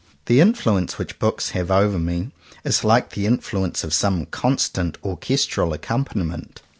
The influence which books have over me, is like the influence of some constant orches tral accompaniment.